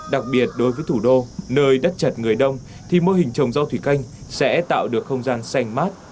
đặc biệt đối với thủ đô nơi đất chật người đông thì mô hình trồng rau thủy canh sẽ tạo được không gian xanh mát